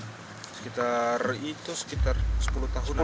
sekitar itu sekitar sepuluh tahun lah